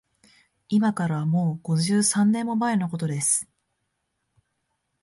いまから、もう五十三年も前のことです